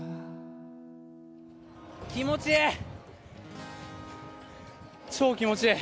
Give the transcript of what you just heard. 気持ちいい！